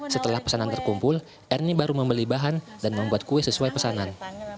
setelah pesanan terkumpul ernie baru membeli bahan dan membuat kue sesuai pesanan